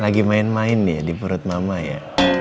lagi main main nih ya di purut mama ya